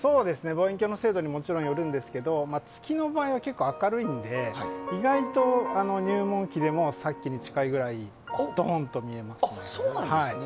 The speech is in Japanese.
望遠鏡の精度にもちろんよるんですけど月の場合は結構、明るいので意外と入門機でもさっきと近いくらいドンと見えます。